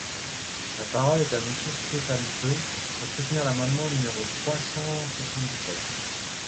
La parole est à Monsieur Stéphane Peu, pour soutenir l’amendement numéro trois cent soixante-dix-sept.